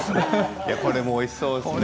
これもおいしそうですね。